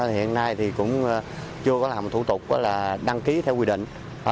hiện nay thì cũng chưa có làm thủ tục đăng ký theo quy định